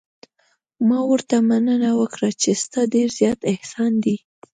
ما ورته مننه وکړه چې ستا ډېر زیات احسان دی.